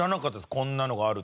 こんなのがあるって。